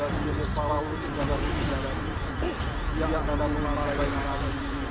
kita tinggalkan tempat ini